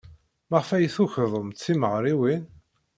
Maɣef ay tukḍemt timeɣriwin?